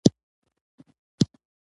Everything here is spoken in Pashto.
هغه د خپل ګاونډي سره ښه چلند کاوه.